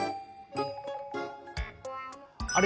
あれ？